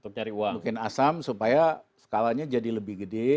bikin asam supaya skalanya jadi lebih gede